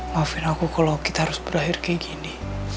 maafin aku kalau kita harus berakhir kayak gini